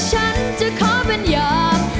ฉันจะขอเป็นอย่าง